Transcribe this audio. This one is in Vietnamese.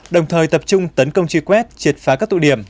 đồng thời tập trung tấn công truy quét triệt phá các tụ điểm